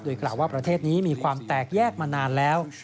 กล่าวว่าประเทศนี้มีความแตกแยกมานานแล้ว